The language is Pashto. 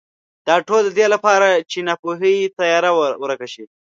دا ټول د دې لپاره چې ناپوهۍ تیاره ورکه شي.